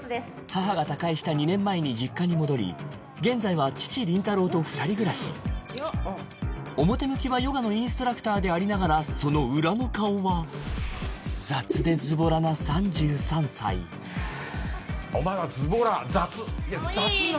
母が他界した２年前に実家に戻り現在は父林太郎と二人暮らし表向きはヨガのインストラクターでありながらその裏の顔はお前はズボラ雑いや雑なんだよ